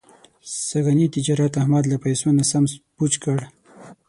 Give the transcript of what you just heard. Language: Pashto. سږني تجارت احمد له پیسو نه سم پوچ کړ.